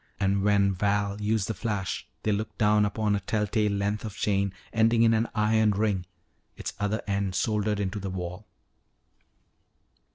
And when Val used the flash they looked down upon a telltale length of chain ending in an iron ring, its other end soldered into the wall.